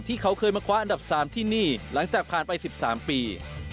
ที่เขาเคยมาคว้าอันดับ๓ที่นี่หลังจากผ่านไป๑๓ปี